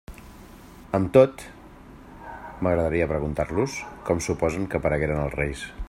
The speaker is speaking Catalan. Amb tot, m'agradaria preguntar-los com suposen que aparegueren els reis.